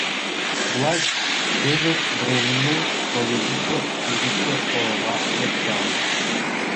— Власть кызыт Временный правительство кидыште, — ойла Эчан.